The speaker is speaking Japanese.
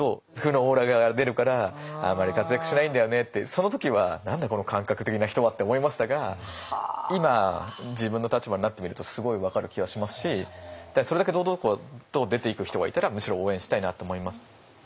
その時は「何だこの感覚的な人は」って思いましたが今自分の立場になってみるとすごい分かる気がしますしそれだけ堂々と出ていく人がいたらむしろ応援したいなと思います。